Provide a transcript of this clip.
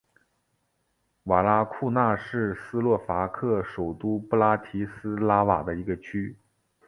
瓦拉库纳是斯洛伐克首都布拉提斯拉瓦的一个区。